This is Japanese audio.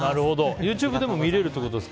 ＹｏｕＴｕｂｅでも見れるってことですか。